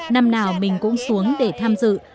năm nào mình cũng xuống để tham dự